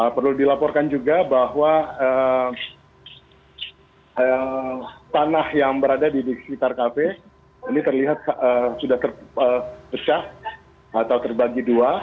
perlu dilaporkan juga bahwa tanah yang berada di sekitar kafe ini terlihat sudah terpecah atau terbagi dua